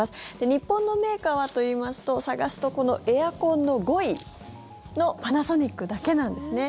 日本のメーカーはといいますと探すと、エアコンの５位のパナソニックだけなんですね。